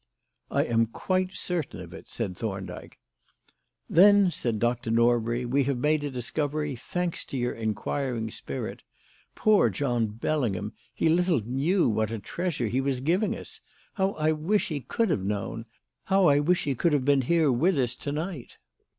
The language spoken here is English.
"I am quite certain of it," said Thorndyke. "Then," said Dr. Norbury, "we have made a discovery, thanks to your inquiring spirit. Poor John Bellingham! He little knew what a treasure he was giving us! How I wish he could have known! How I wish he could have been here with us to night!"